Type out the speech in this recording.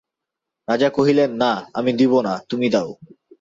রাজা কহিলেন, না, আমি দিব না, তুমি দাও।